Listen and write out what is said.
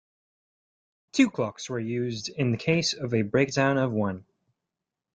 Two clocks were used in case of a breakdown of one.